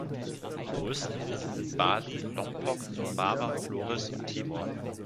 Die größten Inseln sind Bali, Lombok, Sumbawa, Flores und Timor.